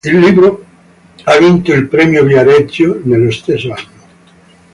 Il libro ha vinto il Premio Viareggio nello stesso anno.